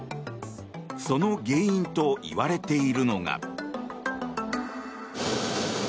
その原因といわれているのが。